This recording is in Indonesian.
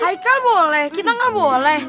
heikel boleh kita gak boleh